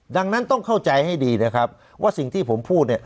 ดังนั้นต้องเข้าใจให้ดีนะครับว่าสิ่งที่ผมพูดเนี่ย